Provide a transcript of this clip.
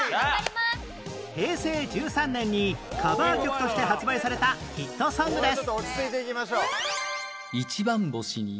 平成１３年にカバー曲として発売されたヒットソングです